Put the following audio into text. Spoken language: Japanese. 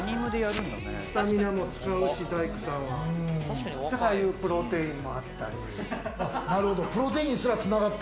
スタミナも使うし、ああいうプロテインもあったり。